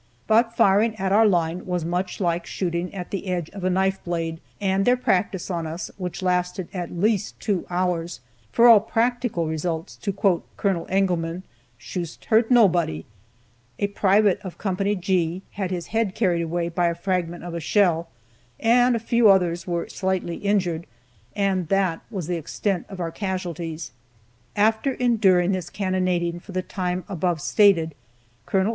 But firing at our line was much like shooting at the edge of a knife blade, and their practice on us, which lasted at least two hours, for all practical results, to quote Col. Engelmann, "shoost hurt nobody." A private of Co. G had his head carried away by a fragment of a shell, and a few others were slightly injured, and that was the extent of our casualties. After enduring this cannonading for the time above stated, Col.